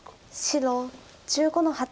白１５の八。